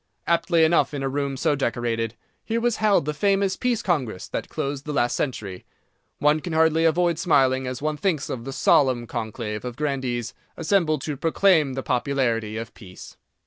Aptly enough in a room so decorated, here was held the famous Peace Congress that closed the last century. One can hardly avoid smiling as one thinks of the solemn conclave of grandees assembled to proclaim the popularity of Peace.